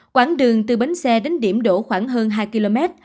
quảng đường từ bến xe đến điểm đổ khoảng hơn hai km